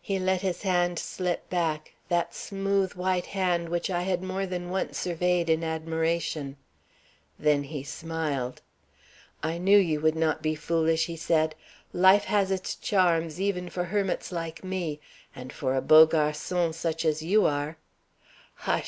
He let his hand slip back, that smooth white hand which I had more than once surveyed in admiration. Then he smiled. "I knew you would not be foolish," he said. "Life has its charms even for hermits like me; and for a beau garçon such as you are " "Hush!"